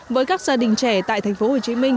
với các gia đình trẻ tại tp hcm